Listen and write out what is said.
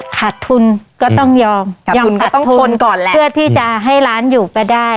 ขาดทุนก็ต้องยอมยอมขัดต้องทนก่อนแล้วเพื่อที่จะให้ร้านอยู่ก็ได้